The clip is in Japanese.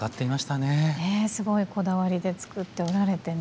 ねえすごいこだわりで作っておられてね。